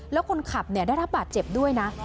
แล้วคนขับได้รับบาดเจ็บด้วยนะ